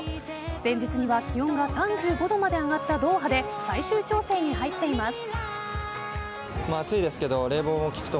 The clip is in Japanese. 前日には気温が３５度まで上がったドーハで最終調整に入っています。